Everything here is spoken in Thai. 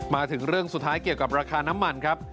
มาถึงเรื่องสุดท้ายเกี่ยวกับราคาน้ำมันครับ